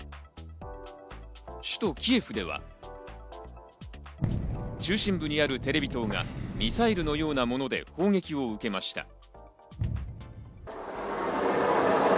首都キエフでは、中心部にあるテレビ塔がミサイルのようなもので砲撃を受けました。